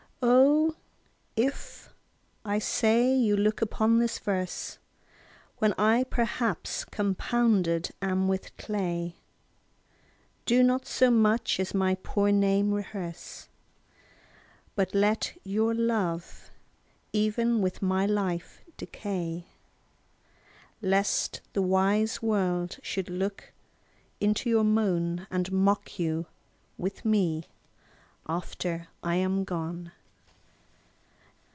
O if, I say, you look upon this verse, When I perhaps compounded am with clay, Do not so much as my poor name rehearse; But let your love even with my life decay; Lest the wise world should look into your moan, And mock you with me after I am gone.